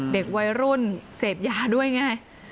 เด็กวัยรุ่นเสพยาด้วยไง